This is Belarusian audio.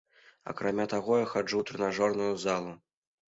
Акрамя таго, я хаджу ў трэнажорную залу.